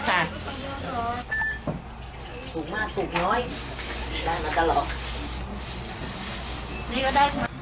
นี่ก็ได้